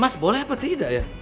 mas boleh apa tidak ya